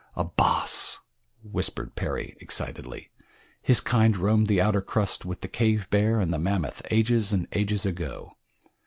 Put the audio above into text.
"A Bos," whispered Perry, excitedly. "His kind roamed the outer crust with the cave bear and the mammoth ages and ages ago.